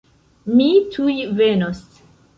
Mi tuj venos.